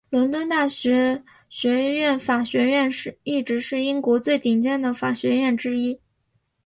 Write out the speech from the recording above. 伦敦大学学院法学院一直是英国最顶尖的法学院之一。